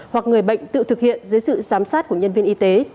hoặc người bệnh tự thực hiện dưới sự giám sát của nhân viên y tế